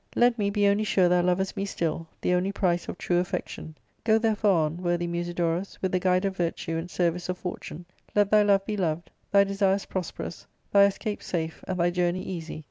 Let me be only sure thou lovest me still, the only price of true aflfection. Go therefore on, worthy Musi dorus, with the gu^dfe of virtue and service of fortune. Let thy love be loved, thy desires prosperous, thy escape safe, and thy journey easy.